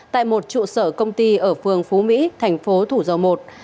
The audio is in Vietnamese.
tại một trụ sở công ty ở phường phú mỹ thành phố thủ dầu một